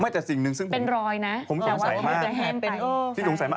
ไม่แต่สิ่งนึงซึ่งผมสงสัยมากสิ่งสงสัยมาก